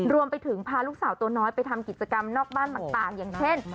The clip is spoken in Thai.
พาลูกสาวตัวน้อยไปทำกิจกรรมนอกบ้านต่างอย่างเช่น